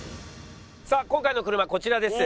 さあ今回の車こちらです。